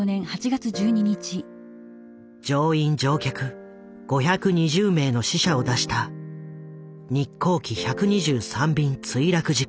乗員・乗客５２０名の死者を出した日航機１２３便墜落事故。